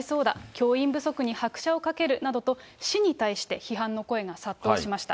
教員不足に拍車をかけるなどと、市に対して批判の声が殺到しました。